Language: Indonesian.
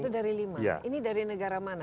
itu dari lima ini dari negara mana